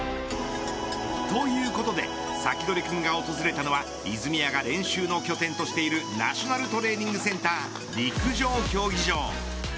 ということでサキドリくんが訪れたのは泉谷が練習の拠点としているナショナルトレーニングセンター陸上競技場。